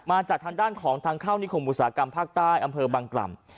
มาจากทางด้านของทางเข้านิคมอุตสาหกรรมภาคใต้อำเภอบังกล่ำ